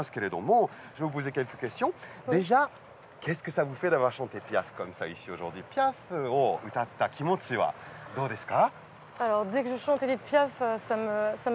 エディット・ピアフを歌った気持ちはどうですか？